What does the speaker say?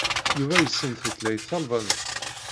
Yuba yessen tutlayt talbanit.